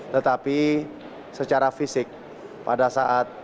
tetapi secara fisik pada saat